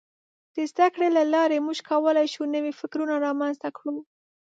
د زدهکړې له لارې موږ کولای شو نوي فکرونه رامنځته کړو.